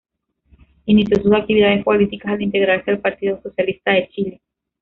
Inició sus actividades políticas al integrarse al Partido Socialista de Chile.